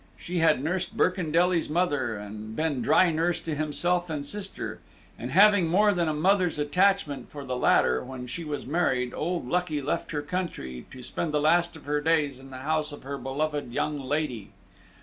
She had nursed Birkendelly's mother, and been dry nurse to himself and sister; and having more than a mother's attachment for the latter, when she was married, old Lucky left her country to spend the last of her days in the house of her beloved young lady.